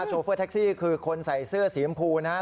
โชเฟอร์แท็กซี่คือคนใส่เสื้อสีเย็มพูนะฮะ